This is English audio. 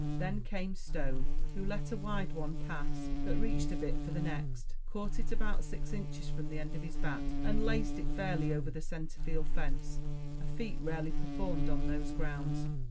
Then came Stone, who let a wide one pass, but reached a bit for the next, caught it about six inches from the end of his bat, and laced it fairly over the centerfield fence, a feat rarely performed on those grounds.